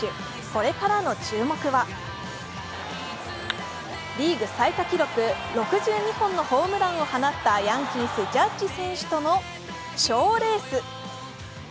これからの注目はリーグ最多記録６２本のホームランを放ったヤンキース・ジャッジ選手とのショーレース。